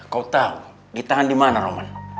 kau tau di tangan dimana roman